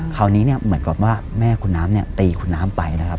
คราวนี้เนี่ยเหมือนกับว่าแม่คุณน้ำเนี่ยตีคุณน้ำไปนะครับ